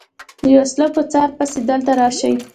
د وسلو په څار پسې دلته راشي.